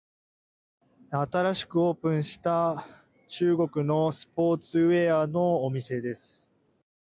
新しくオープンした中国のスポーツウェアのお店です。